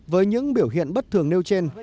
với những biểu hiện bất thường nêu trên